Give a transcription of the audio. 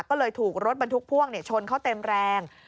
ก็เลยถูกรถบรรทุกพ่วงชนเขาเต็มแรง